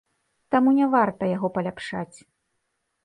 Таму не варта яго паляпшаць.